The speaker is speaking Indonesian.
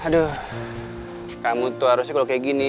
aduh kamu tuh harusnya kalau kayak gini